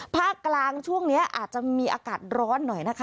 ภาคกลางช่วงนี้อาจจะมีอากาศร้อนหน่อยนะคะ